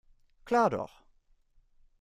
Klar doch.